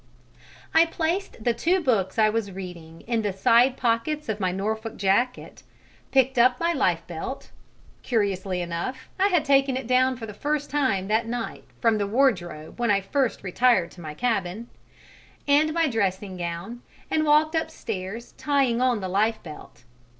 I placed the two books I was reading in the side pockets of my Norfolk jacket, picked up my lifebelt (curiously enough, I had taken it down for the first time that night from the wardrobe when I first retired to my cabin) and my dressing gown, and walked upstairs tying on the lifebelt.